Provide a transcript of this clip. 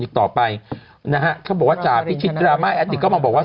ประชาชนอีกต่อไปนะฮะเขาบอกว่าจ่าพิชิตรราม่าแอดดิก็มาบอกว่า